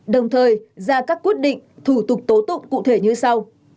đồng thời ra các quyết định thủ tục tố tụng cụ thể như sau